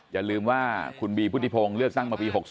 อย่าลืมว่าคุณบีพุทธิพงศ์เลือกตั้งมาปี๖๒